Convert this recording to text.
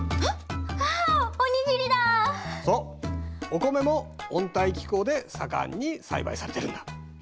お米も温帯気候で盛んに栽培されているんだ。